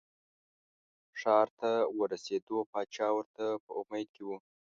ښار ته ورسېده پاچا ورته په امید کې و.